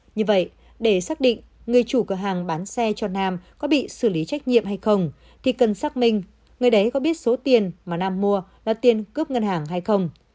như vậy để xác định người chủ cửa hàng bán xe cho nam có bị xử lý trách nhiệm hay không thì cần xác minh người đấy có biết số tiền mà nam mua là tiền cướp ngân hàng hay không